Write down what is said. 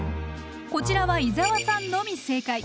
こちらは伊沢さんのみ正解。